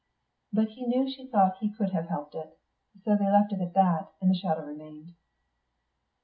But he knew she thought he could have helped it. So they left it at that, and the shadow remained.